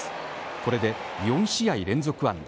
これで、４試合連続安打。